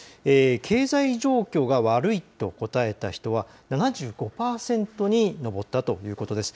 経済状況が悪いと答えた人は７５％に上ったということです。